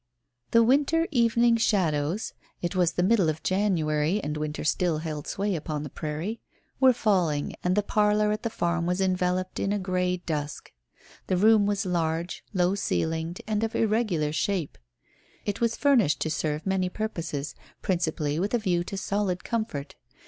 The winter evening shadows it was the middle of January and winter still held sway upon the prairie were falling, and the parlour at the farm was enveloped in a grey dusk. The room was large, low ceiled, and of irregular shape. It was furnished to serve many purposes, principally with a view to solid comfort.